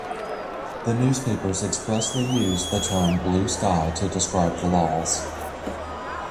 The newspapers expressly used the term "blue sky" to describe the laws.